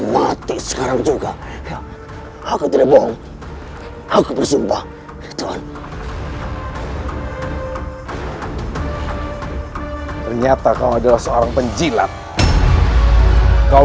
mati sekarang juga aku tidak bohong aku bersumpah tuan ternyata kau adalah seorang penjilat kau